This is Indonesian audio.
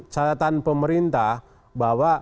catatan pemerintah bahwa